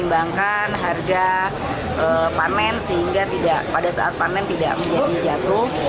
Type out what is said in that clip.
kembangkan harga panen sehingga pada saat panen tidak menjadi jatuh